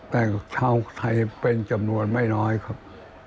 แต่งชาวไทยเป็นจำนวนไม่น้อยครับ